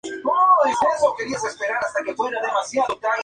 Cada variedad recibe el nombre por la palabra que emplea para negar.